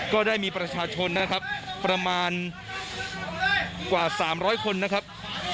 ก็ได้มีประชาชนนะครับประมาณกว่า๓๐๐คนนะครับ